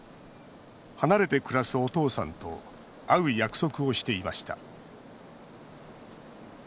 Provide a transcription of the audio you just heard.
離れて暮らすお父さんと会う約束をしていました。